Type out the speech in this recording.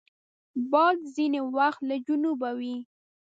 باد ځینې وخت له جنوبه وي